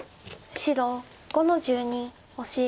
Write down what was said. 白５の十二オシ。